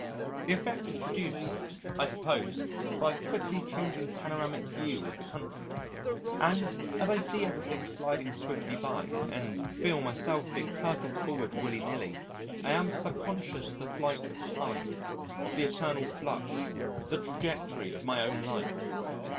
The effect is produced, I suppose, by the quickly changing panoramic view of the country, and as I see everything sliding swiftly by, and feel myself being hurtled forward willy nilly, I am sub conscious of the flight of Time, of the eternal flux, of the trajectory of my own life....